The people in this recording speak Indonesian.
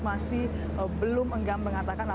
masih belum mengatakan